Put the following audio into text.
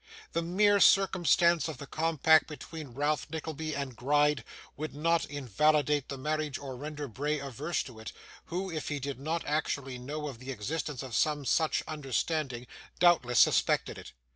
The mere circumstance of the compact between Ralph Nickleby and Gride would not invalidate the marriage, or render Bray averse to it, who, if he did not actually know of the existence of some such understanding, doubtless suspected it.